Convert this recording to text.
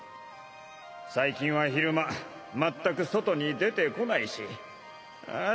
最近は昼間全く外に出てこないしあぁ